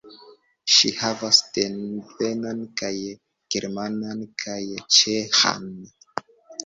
Ŝi havas devenon kaj germanan kaj ĉeĥan.